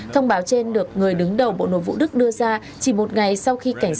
thông báo trên được người đứng đầu bộ nội vụ đức đưa ra chỉ một ngày sau khi cảnh sát đức tiến hành